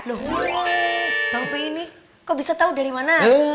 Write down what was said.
loh bang pi'i nih kok bisa tahu dari mana